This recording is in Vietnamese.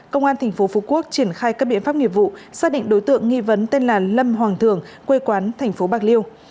công an tp phú quốc triển khai các biện pháp nghiệp vụ xác định đối tượng nghi vấn tên là lâm hoàng thường quê quán tp bạc liêu